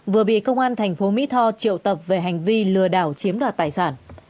vừa bị công an tp mỹ tho triệu tập về hành vi lừa đảo chiếm đoạt tài sản